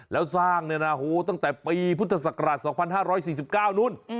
แล้วสร้างเนี่ยนะตั้งแต่ปีพุทธศักราช๒๕๔๙นู้น